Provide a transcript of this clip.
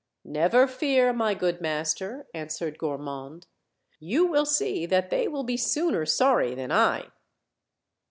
"Never fear, my good master," answered Gormand; "you will see that they will be sooner sorry than I."